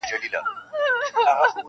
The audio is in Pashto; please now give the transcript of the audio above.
کيسه د عبرت بڼه اخلي تل,